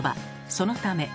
そのため。